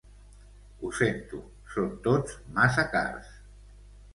Ho sento, son tots massa cars.